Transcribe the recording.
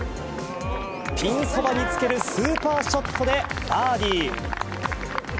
ピンそばにつけるスーパーショットでバーディー。